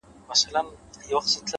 زړه سوي عملونه اوږد مهاله اثر لري